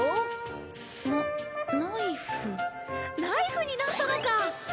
ナイフになったのか！